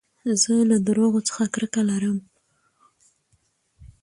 زه له درواغو څخه کرکه لرم.